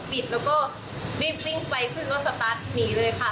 ปิดแล้วก็รีบวิ่งไปขึ้นรถสตาร์ทหนีเลยค่ะ